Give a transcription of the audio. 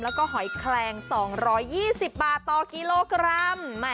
แล้วก็หอยแคลง๒๒๐บาทต่อกิโลกรัม